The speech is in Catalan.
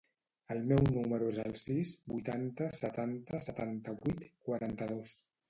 El meu número es el sis, vuitanta, setanta, setanta-vuit, quaranta-dos.